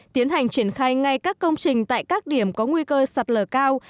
tiến hành triển khai ngay các công trình tại các điểm có nguy cơ sạt lở cao